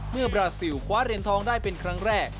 บราซิลคว้าเหรียญทองได้เป็นครั้งแรก